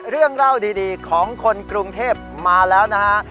เรื่องเล่าดีของคนกรุงเทพมาแล้วนะฮะ